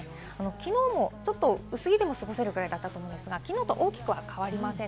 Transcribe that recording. きのうもちょっと薄着でも過ごせるくらいだったと思いますが、きのうと大きくは変わりません。